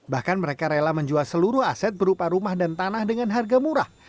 bahkan mereka rela menjual seluruh aset berupa rumah dan tanah dengan harga murah